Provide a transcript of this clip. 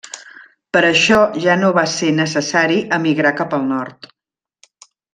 Per això ja no va ser necessari emigrar cap al nord.